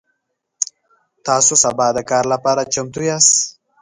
تاسو سبا د کار لپاره چمتو یاست؟